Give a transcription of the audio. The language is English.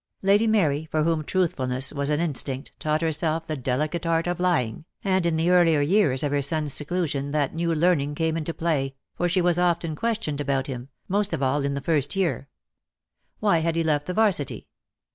Lady Mary, for whom truthfulness was an in stinct, taught herself the delicate art of lying, and in the earlier years of her son's seclusion that new learning came into play, for she was often questioned about him, most of all in the first year. "Why had he left the 'Varsity?"